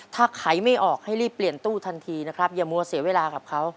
ถ้าขายไม่ออกให้รีบเปลี่ยนตู้ทันทีนะครับอย่ามัวเสียเวลากับเขา